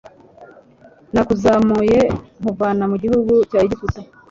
nakuzamuye nkuvana mu gihugu cya egiputa